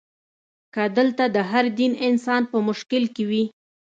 که دلته د هر دین انسان په مشکل کې وي.